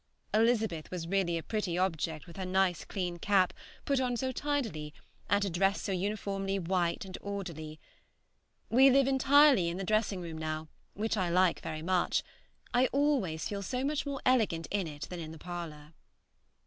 Elizabeth was really a pretty object with her nice clean cap put on so tidily and her dress so uniformly white and orderly. We live entirely in the dressing room now, which I like very much; I always feel so much more elegant in it than in the parlor.